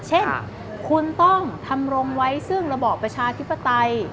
เช่นคุณต้องทำรงไว้ซึ่งระบอบประชาธิปไตย